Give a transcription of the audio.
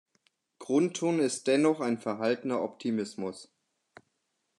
Grundton ist dennoch ein verhaltener Optimismus.